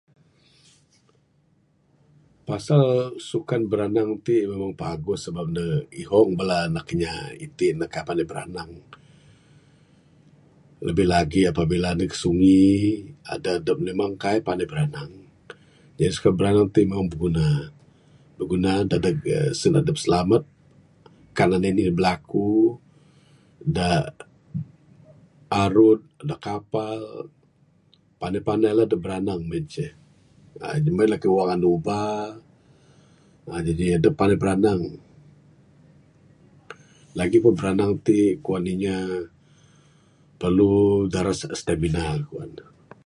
Pasal sukan biranang ti memang paguh sabab ne ihong bala anak inya itin ne kaii panai biranang...labih lagi apabila adep neg sungi adeh adep memang kaii panai biranang jadi sukan biranang ti memang biguna...biguna dadeg uhh sen adep silamat...kan anih anih bilaku da arud da kapal panai panai la adep biranang meng en ceh uhh meng en lagih wang andu uba jadi adep panai biranang... lagipun biranang ti kuan inya perlu daras lagih stamina kuan ne.